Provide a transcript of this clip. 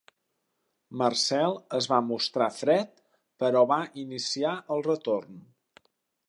Marcel es va mostrar fred però va iniciar el retorn.